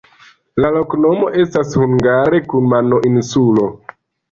La loknomo estas hungare: kumano-insulo.